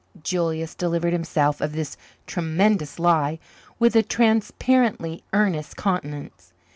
Julius delivered himself of this tremendous lie with a transparently earnest countenance.